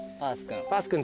パース君。